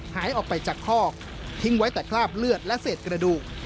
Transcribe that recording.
หายออกไปจากคอกทิ้งไว้แต่คราบเลือดและเศษกระดูก